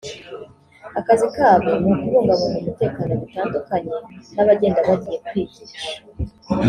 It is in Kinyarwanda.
akazi kabo ni ukubungabunga umutekano bitandukanye n’abagenda bagiye kwigisha